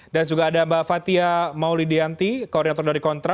dan juga ada mbak fathia maulidianti koordinator dari kontra